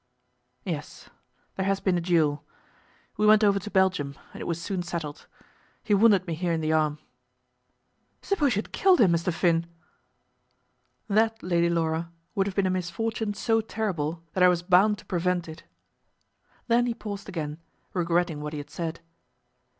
"Yes; there has been a duel. We went over to Belgium, and it was soon settled. He wounded me here in the arm." "Suppose you had killed him, Mr. Finn?" "That, Lady Laura, would have been a misfortune so terrible that I was bound to prevent it." Then he paused again, regretting what he had said.